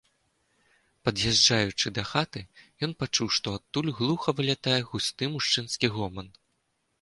Пад'язджаючы да хаты, ён пачуў, што адтуль глуха вылятае густы мужчынскі гоман.